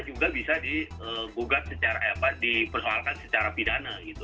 juga bisa digugat secara dipersoalkan secara pidana gitu